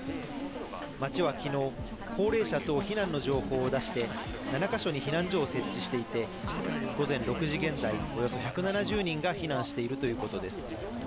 町はきのう、高齢者等避難の情報を出して、７か所に避難所を設置していて、午前６時現在、およそ１７０人が避難しているということです。